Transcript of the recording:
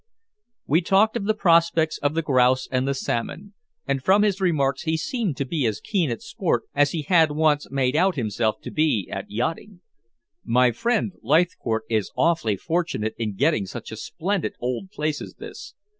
We talked of the prospects of the grouse and the salmon, and from his remarks he seemed to be as keen at sport as he had once made out himself to be at yachting. "My friend Leithcourt is awfully fortunate in getting such a splendid old place as this.